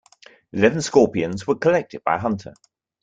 Eleven scorpions were collected by a hunter.